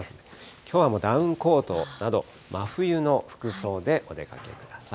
きょうはもうダウンコートなど、真冬の服装でお出かけください。